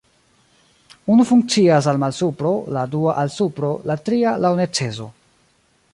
Unu funkcias al malsupro, la dua al supro, la tria laŭ neceso.